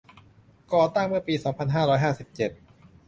ก่อตั้งเมื่อปี สองพันห้าร้อยห้าสิบเจ็ด